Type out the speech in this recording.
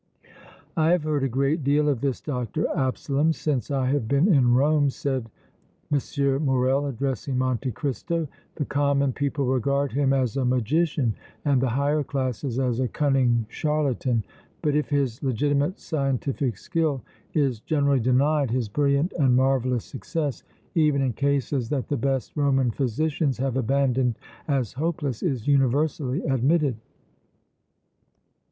"I have heard a great deal of this Dr. Absalom since I have been in Rome," said M. Morrel, addressing Monte Cristo. "The common people regard him as a magician and the higher classes as a cunning charlatan, but, if his legitimate scientific skill is generally denied, his brilliant and marvellous success, even in cases that the best Roman physicians have abandoned as hopeless, is universally admitted."